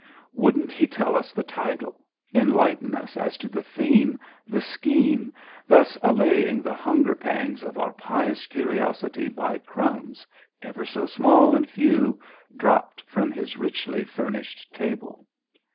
Wouldn't he tell us the title, enlighten us as to the theme, the scheme, thus allaying the hunger pangs of our pious curiosity by crumbs ever so small and few dropped from his richly furnished table?